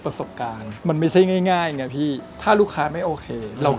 เป็นระบบมากขึ้นมั้ยตั้งแต่วันแรกมาจาก